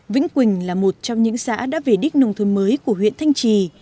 vĩnh quỳnh là một trong những xã đã về đích nông thôn mới của huyện thanh trì